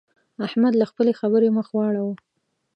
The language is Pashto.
احمد له خپلې خبرې مخ واړاوو.